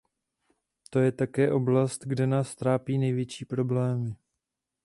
To je také oblast, kde nás trápí největší problémy.